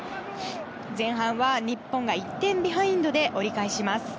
前半は日本が１点ビハインドで折り返します。